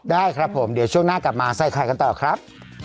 ได้ครับผมเดี๋ยวช่วงหน้ากลับมาใส่ไข่กันต่อครับ